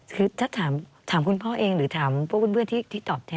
คือถ้าถามคุณพ่อเองหรือถามพวกเพื่อนที่ตอบแทน